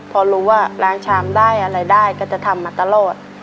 พอรู้ว่าล้างชามได้อะไรได้ก็จะทำมาตลอด